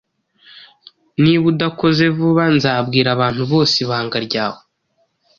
Niba udakoze vuba, nzabwira abantu bose ibanga ryawe.